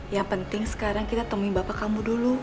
yang penting sekarang kita temuin bapak kamu dulu